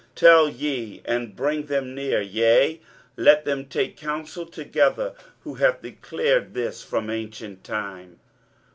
23:045:021 Tell ye, and bring them near; yea, let them take counsel together: who hath declared this from ancient time?